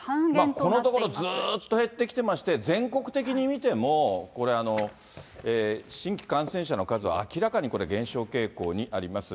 このところ、ずっと減ってきてまして、全国的に見ても、これ、新規感染者の数は明らかに減少傾向にあります。